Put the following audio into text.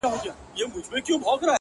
دغه خوار ملنگ څو ځايه تندی داغ کړ’